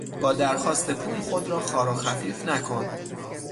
با درخواست پول خود را خوار و خفیف نکن!